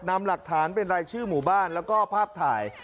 นำหลักฐานเป็นรายชื่อหมู่บ้านแล้วก็ภาพถ่าย